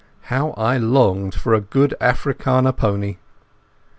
How I longed for a good Afrikander pony!